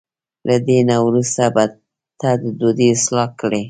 له دې نه وروسته به ته د دوی اصلاح کړې.